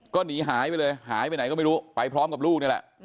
ก็หนีหายไปเลยหายไปไหนก็ไม่รู้ไปพร้อมกับลูกนี่แหละ